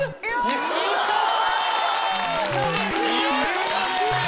いったー！